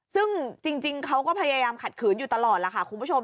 ซึ่งจริงเขาก็พยายามขัดขืนอยู่ตลอดล่ะค่ะคุณผู้ชม